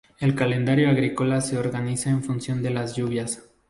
El calendario agrícola se organiza en función de las lluvias.